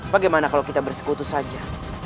bagaimana kalau kita bersekutu saja